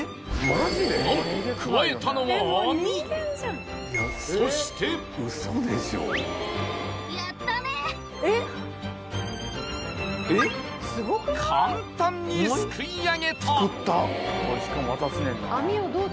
何とくわえたのは網そして簡単にすくいあげた！